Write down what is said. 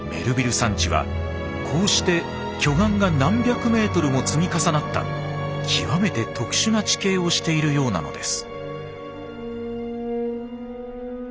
山地はこうして巨岩が何百メートルも積み重なった極めて特殊な地形をしているようなのです。